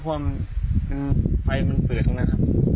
เพราะว่าไฟมันเปลือกข้างหน้าครับ